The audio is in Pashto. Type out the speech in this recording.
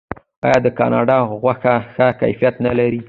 آیا د کاناډا غوښه ښه کیفیت نلري؟